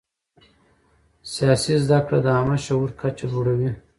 سیاسي زده کړه د عامه شعور کچه لوړوي